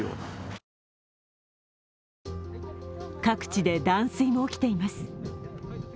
各地で断水も起きています。